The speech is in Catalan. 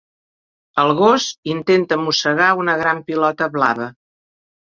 El gos intenta mossegar una gran pilota blava.